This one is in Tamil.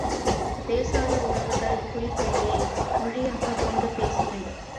பேசாத உறவுகள், குறிப்பையே மொழியாகக் கொண்டு பேசின.